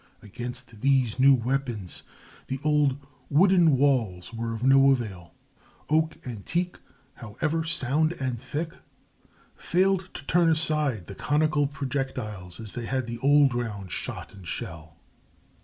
Against these new weapons the old "wooden walls" were of no avail. Oak and teak, however sound and thick, failed to turn aside the conical projectiles as they had the old round shot and shell.